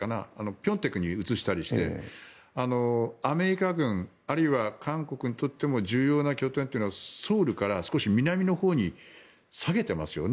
平沢に移したりしてアメリカ軍、あるいは韓国にとっても重要な拠点というのはソウルから少し南のほうに下げてますよね。